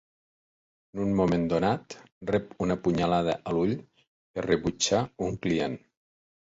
En un moment donat, rep una punyalada a l'ull per rebutjar un client.